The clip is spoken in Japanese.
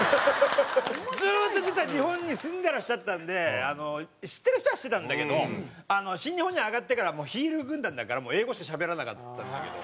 ずーっと実は日本に住んでらっしゃったんで知ってる人は知ってたんだけど新日本に上がってからはヒール軍団だからもう英語しかしゃべらなかったんだけど。